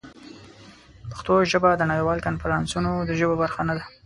پښتو ژبه د نړیوالو کنفرانسونو د ژبو برخه نه ده.